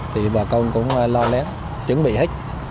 thì bà con cũng lo lén chuẩn bị hết